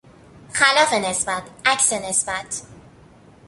خلاف نسبت، عکس نسبت